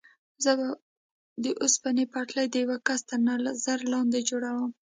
زه به د اوسپنې پټلۍ د یوه کس تر نظر لاندې جوړوم.